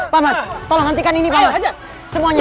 paman tolong hentikan ini paman semuanya